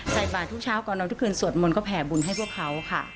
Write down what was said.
ใส่บาททุกเช้าก่อนเราทุกคืนสวดมนต์ก็แผ่บุญให้พวกเขาค่ะ